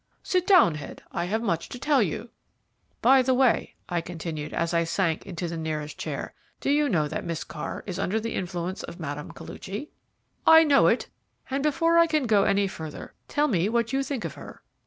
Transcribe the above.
"Sit down, Head; I have much to tell you." "By the way," I continued, as I sank into the nearest chair, "do you know that Miss Carr is under the influence of Mme. Koluchy?" "I know it, and before I go any further, tell me what you think of her."